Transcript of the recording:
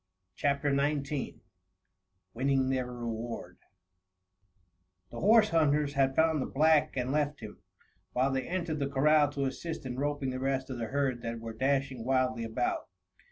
CHAPTER XIX WINNING THEIR REWARD The horse hunters had bound the black and left him, while they entered the corral to assist in roping the rest of the herd that were dashing wildly about.